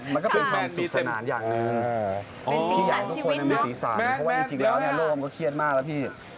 มันก็เป็นความสุขสนานอย่างหนึ่งพี่อยากให้ทุกคนมีสีสารเพราะว่าจริงแล้วโลกมันก็เครียดมากแล้วพี่